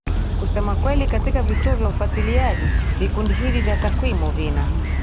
kusema kweli katika vituo vya ufuatiliaji Vikundi hivi vya takwimu vina